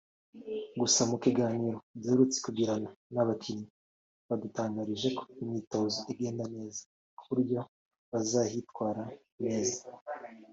Gusa mu kiganiro duherutse kugirana n’abakinnyi badutangarije ko imyitozo igenda neza ku buryo bazahitwara neza